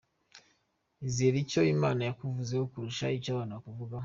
Izere icyo Imana yakuvuzeho kurusha icyo abantu bakuvugaho.